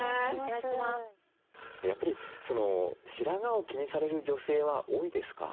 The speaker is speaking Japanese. やっぱり白髪を気にされる女性は多いですか？